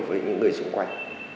với những người xung quanh